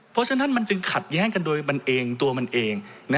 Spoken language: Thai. เพราะฉะนั้นมันจึงขัดแย้งกันโดยมันเองตัวมันเอง